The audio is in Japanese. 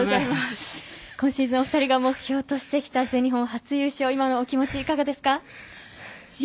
今シーズン、お二人が目標としてきた全日本初優勝今のお気持ち、いかがですか？